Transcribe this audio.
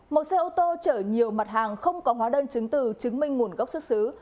một xe ô tô chở nhiều mặt hàng không có hóa đơn chứng từ chứng minh nguồn gốc xuất xứ